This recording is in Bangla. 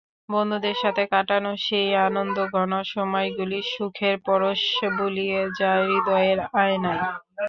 বন্ধুদের সাথে কাটানো সেই আনন্দঘন সময়গুলি সুখের পরশ বুলিয়ে যায় হৃদয়ের আয়নায়।